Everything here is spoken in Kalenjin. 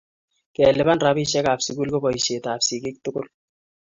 Keluban robishe ab sukul ko boisie ab sikiik tugul.